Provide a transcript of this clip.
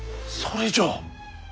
それじゃ。